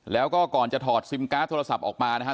แล้วก็ก่อนจะถอดซิมการ์ดโทรศัพท์ออกมานะครับ